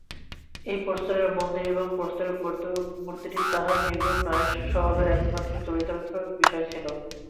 এই প্রস্তরের মন্দির এবং প্রস্তরের মূর্তিটি তাঁহার নিগূঢ় নারীস্বভাবের একমাত্র চরিতার্থতার বিষয় ছিল।